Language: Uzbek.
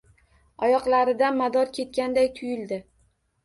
Oyoqlaridan mador ketganday tuyuldi.